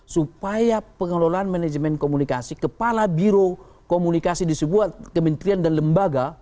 supaya pengelolaan manajemen komunikasi kepala biro komunikasi di sebuah kementerian dan lembaga